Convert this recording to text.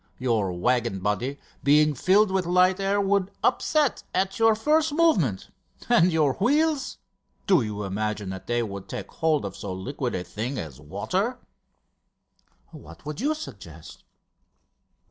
Your waggon body, being filled with light air, would upset at your first movement. And your wheels do you imagine they would take hold of so liquid a thing as water?" "What would you suggest?"